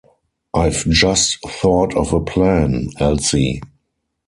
I’ve just thought of a plan, Elsie.